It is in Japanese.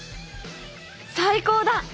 「最高だ！！！」